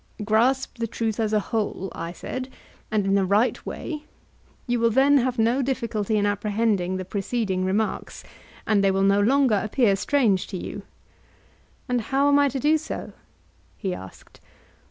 Grasp the truth as a whole, I said, and in the right way; you will then have no difficulty in apprehending the preceding remarks, and they will no longer appear strange to you. And how am I to do so? he asked.